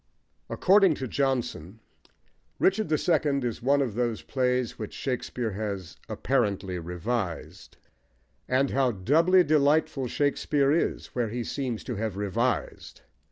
According to Johnson, Richard the Second is one of those plays which Shakespeare has "apparently revised;" and how doubly delightful Shakespeare is where he seems to have revised!